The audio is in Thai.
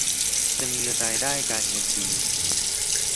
จะมีรายได้การเงินดี